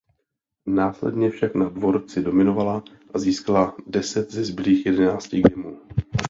Následně však na dvorci dominovala a získala deset ze zbylých jedenácti gamů.